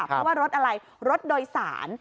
เพราะว่ารถอะไรรถโดยสาร